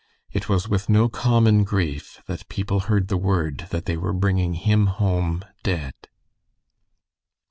It was with no common grief that people heard the word that they were bringing him home dead.